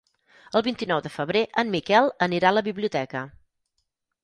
El vint-i-nou de febrer en Miquel anirà a la biblioteca.